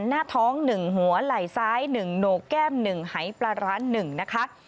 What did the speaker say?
หน้าท้อง๑หัวไหล่ซ้าย๑โหนกแก้ม๑หายปลาร้า๑นะคะ